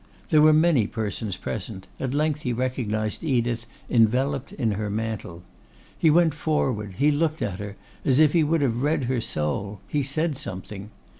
There were many persons present, at length he recognised Edith enveloped in her mantle. He went forward, he looked at her, as if he would have read her soul; he said something.